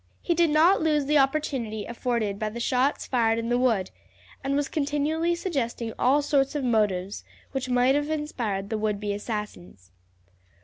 He did not lose the opportunity afforded by the shots fired in the wood, and was continually suggesting all sorts of motives which might have inspired the would be assassins.